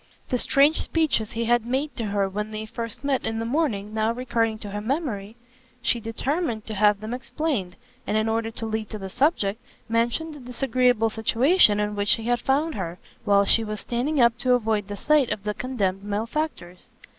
The strange speeches he had made to her when they first met in the morning now recurring to her memory, she determined to have them explained, and in order to lead to the subject, mentioned the disagreeable situation in which he had found her, while she was standing up to avoid the sight of the condemned malefactors.